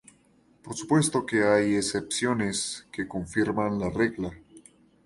Por supuesto que hay excepciones, que confirman la regla.